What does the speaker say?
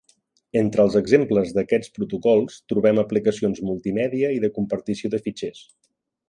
Entre els exemples d'aquests protocols, trobem aplicacions multimèdia i de compartició de fitxers.